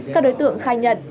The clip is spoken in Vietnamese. các đối tượng khai nhận